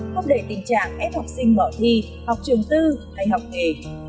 thúc đẩy tình trạng ép học sinh bỏ thi học trường tư hay học nghề